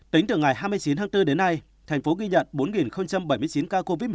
tính từ ngày hai mươi chín tháng bốn đến nay thành phố ghi nhận bốn bảy mươi chín ca covid một mươi chín